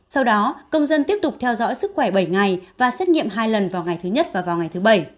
sau đó công dân tiếp tục theo dõi sức khỏe bảy ngày và xét nghiệm hai lần vào ngày thứ nhất và vào ngày thứ bảy